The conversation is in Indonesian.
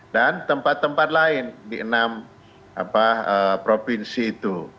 dan tempat tempat lain di enam provinsi itu